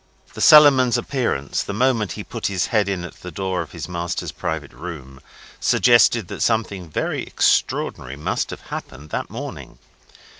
The Cellarman's appearance, the moment he put his head in at the door of his master's private room, suggested that something very extraordinary must have happened that morning.